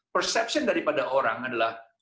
perhatian dari orang adalah